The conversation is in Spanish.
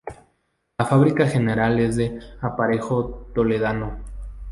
La fábrica general es de "aparejo toledano".